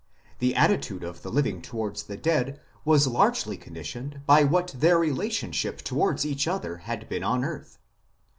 The attitude of the living towards the dead was largely conditioned by what their relation ship towards each other had been on earth.